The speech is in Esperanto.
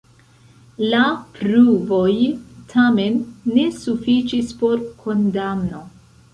La pruvoj tamen ne sufiĉis por kondamno.